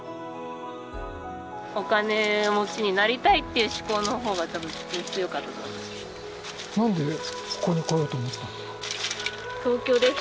お金持ちになりたいっていう思考のほうがたぶん、強かったと思います。